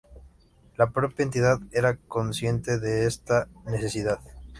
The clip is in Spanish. La propia entidad era consciente de esta necesidad.